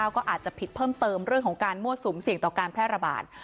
ก็อาจจะผิดเพิ่มเติมเรื่องของการมั่วสุมเสี่ยงต่อการแพร่ระบาด